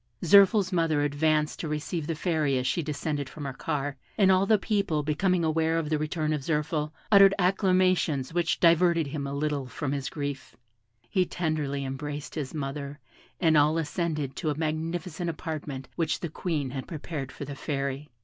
Zirphil's mother advanced to receive the Fairy as she descended from her car, and all the people becoming aware of the return of Zirphil, uttered acclamations which diverted him a little from his grief; he tenderly embraced his mother, and all ascended to a magnificent apartment which the Queen had prepared for the Fairy.